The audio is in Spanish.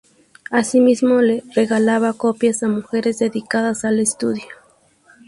Así mismo le regalaba copias a mujeres dedicadas al estudio.